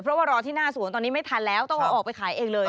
เพราะว่ารอที่หน้าสวนตอนนี้ไม่ทันแล้วต้องเอาออกไปขายเองเลย